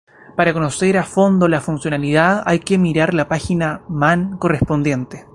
Para conocer a fondo la funcionalidad, hay que mirar la página man correspondiente.